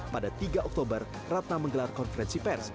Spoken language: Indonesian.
pada tiga oktober ratna menggelar konferensi pers